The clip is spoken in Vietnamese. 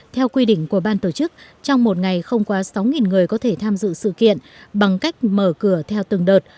theo quy định của ban tổ chức trong một ngày không quá sáu người có thể tham dự sự kiện bằng cách mở cửa theo từng đợt